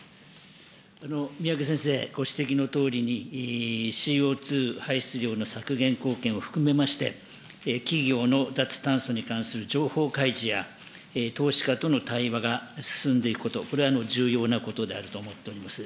三宅先生ご指摘のとおりに、ＣＯ２排出量の削減貢献を含めまして、企業の脱炭素に関する情報開示や、投資家との対話が進んでいくこと、これは重要なことであると思っております。